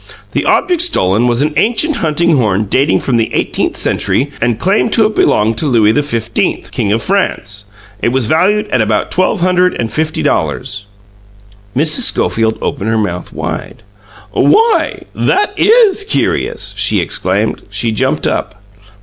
The object stolen was an ancient hunting horn dating from the eighteenth century and claimed to have belonged to Louis XV, King of France. It was valued at about twelve hundred and fifty dollars." Mrs. Schofield opened her mouth wide. "Why, that IS curious!" she exclaimed. She jumped up.